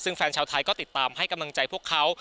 ซึ่งแฟนชาวไทยก็ติดตามให้กำลังใจพวกเขา